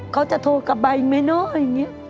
เขาจะโทรกลับไปอีกไหมเนอะ